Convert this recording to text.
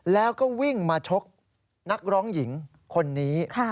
แล้วก็วิ่งมาชกนักร้องหญิงคนนี้